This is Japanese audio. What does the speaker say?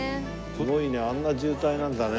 すごいねあんな渋滞なんだね。